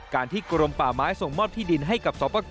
การที่กรมป่าไม้ส่งมอบที่ดินให้กับสป